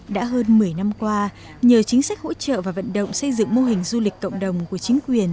đã hơn một mươi năm qua nhờ chính sách hỗ trợ và vận động xây dựng mô hình du lịch cộng đồng của chính quyền